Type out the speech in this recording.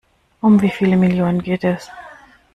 Um wie viele Millionen geht es?